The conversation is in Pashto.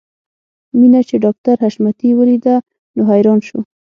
مينه چې ډاکټر حشمتي وليده نو حیران شو